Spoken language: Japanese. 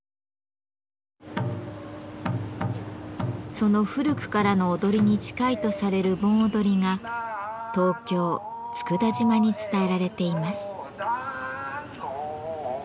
その古くからの踊りに近いとされる盆踊りが東京・佃島に伝えられています。